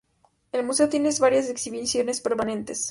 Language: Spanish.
El museo tiene varias exhibiciones permanentes.